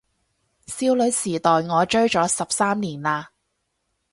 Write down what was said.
少女時代我追咗十三年喇